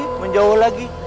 eh menjauh lagi